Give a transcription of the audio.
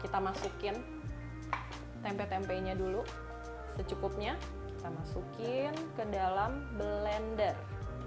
kita masak tempe tempe nya dulu secukupnya kita masukin ke dalam blender